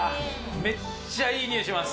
めっちゃいい匂いします。